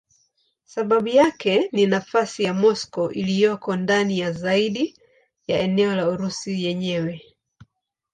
Sababu yake ni nafasi ya Moscow iliyoko ndani zaidi ya eneo la Urusi yenyewe.